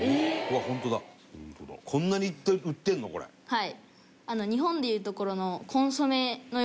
はい。